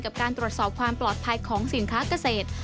การตรวจสอบความปลอดภัยของสินค้าเกษตร